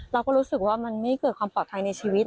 เราก็รู้สึกว่ามันไม่เกิดความปลอดภัยในชีวิต